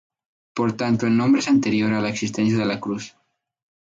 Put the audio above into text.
Por tanto el nombre es anterior a la existencia de la cruz.